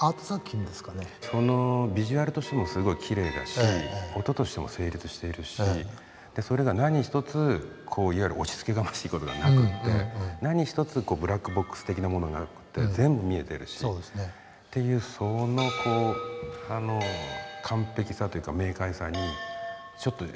そのビジュアルとしてもすごいきれいだし音としても成立しているしそれが何一ついわゆる押しつけがましい事がなくて何一つブラックボックス的なものがなくて全部見えてるしっていうその完璧さというか明快さにちょっとやられた感がありました。